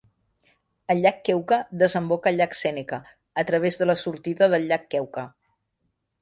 El llac Keuka desemboca al llac Sèneca a través de la sortida del llac Keuka.